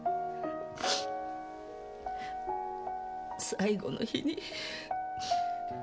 最後の日に。